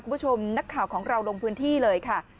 คุณผู้ชมนักข่าวของเราลงพื้นที่เลยค่ะ